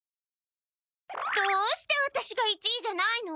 どうしてワタシが一位じゃないの？